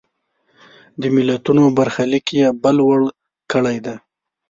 د ملتونو برخلیک یې بل وړ کړی دی.